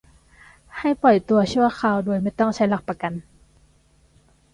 ให้ปล่อยตัวชั่วคราว โดยไม่ต้องใช้หลักประกัน